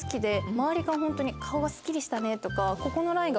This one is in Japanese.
周りからホントに「顔がすっきりしたね」とか。